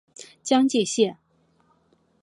江界线